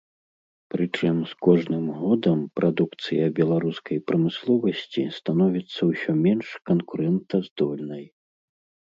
Прычым з кожным годам прадукцыя беларускай прамысловасці становіцца ўсё менш канкурэнтаздольнай.